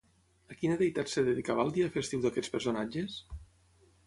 A quina deïtat es dedicava el dia festiu d'aquests personatges?